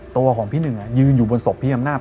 ตัวของพี่หนึ่งยืนอยู่บนศพพี่อำนาจ